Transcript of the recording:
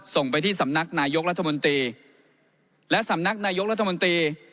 ส่งไปที่สำนักนายกรัฐมนตรีและสำนักนายกรัฐมนตรี